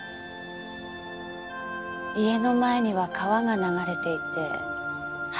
家の前には川が流れていて橋があって。